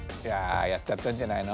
やっちゃったんじゃないの？